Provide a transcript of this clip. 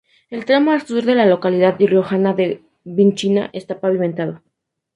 El tramo al sur de la localidad riojana de Vinchina está pavimentado.